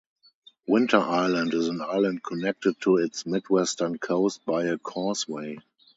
Winter Island is an island connected to its mid-western coast by a causeway.